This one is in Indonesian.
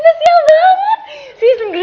kau tau yang gue ini